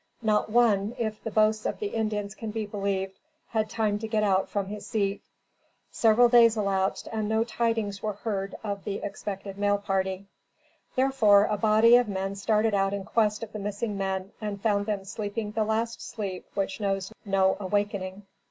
Not one, if the boasts of the Indians can be believed, had time to get out from his seat. Several days elapsed and no tidings were heard of the expected mail party; therefore, a body of men started out in quest of the missing men and found them sleeping the last sleep which knows no awakening.